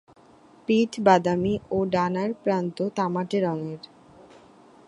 পিঠ বাদামি ও ডানার প্রান্ত তামাটে রঙের।